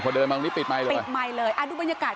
คนเดินบางทีปิดไมค์ปิดไมค์เลยอ่าดูบรรยากาศ